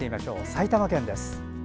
埼玉県です。